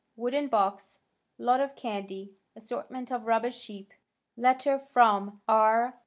Wooden box, lot of candy, assortment of rubber sheep. Letter from R.